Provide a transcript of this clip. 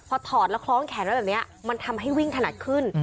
พอถอดแล้วคล้องแขนไว้แบบนี้มันทำให้วิ่งถนัดขึ้น